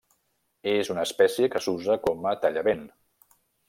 És una espècie que s'usa com a tallavent.